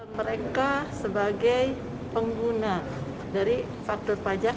mereka sebagai pengguna dari faktor pajak